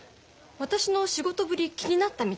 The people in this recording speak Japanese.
私の仕事ぶり気になったみたい。